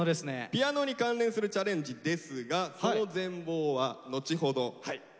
ピアノに関連するチャレンジですがその全貌は後ほど発表します。